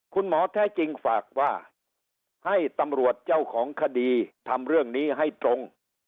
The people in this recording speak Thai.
คุณหมอแท้จริงฝากว่าให้ตำรวจเจ้าของคดีทำเรื่องนี้ให้ตรง